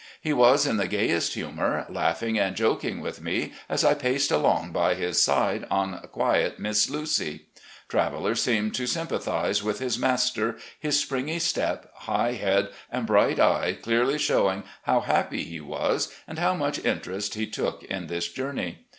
He was in the gayest humour, laughing and joking with me as I paced along by his side on quiet 'Miss Lucy.' Traveller seemed to sympathise with his master, his springy step, high head, and bright eye clearly showing how happy he was and how much interest he took in this journey.